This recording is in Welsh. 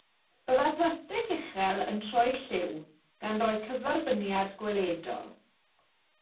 Byddai'r plastig uchel yn troi lliw, gan roi cyferbyniad gweledol.